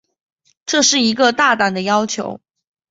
这是一个大胆的要求。